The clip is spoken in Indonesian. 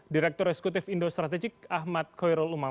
direktur eksekutif indo strategik ahmad khoirul umam